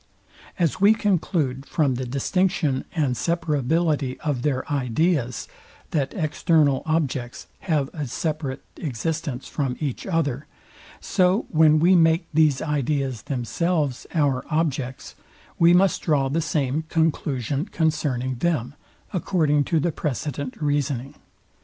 As we conclude from the distinction and separability of their ideas, that external objects have a separate existence from each other; so when we make these ideas themselves our objects, we must draw the same conclusion concerning them, according to the precedent reasoning.